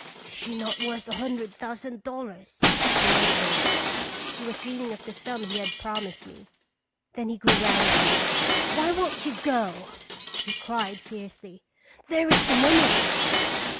" Is she not worth a hun dred thousand dollars?" he muttered. He was dreaming of the sum he had promised me. Then he grew angry. " Why won't you go?" he cried, fiercely. "There is the money!